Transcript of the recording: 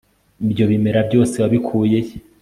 Ibyo bimera byose wabikuye he